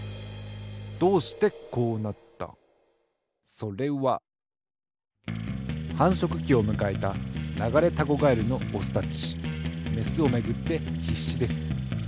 それははんしょくきをむかえたナガレタゴガエルのオスたちメスをめぐってひっしです。